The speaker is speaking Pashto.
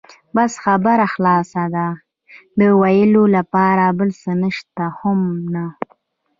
بس خبره خلاصه ده، د وېلو لپاره بل څه شته هم نه.